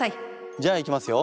じゃあいきますよ。